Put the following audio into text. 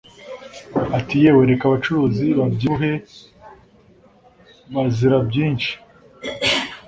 ati"yewe reka abacuruzi babyibuhe bazira byinshi!